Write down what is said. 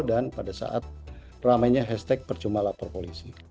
dan pada saat ramainya hashtag percuma lapor polisi